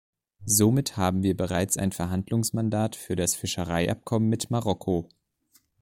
Somit haben wir bereits ein Verhandlungsmandat für das Fischereiabkommen mit Marokko.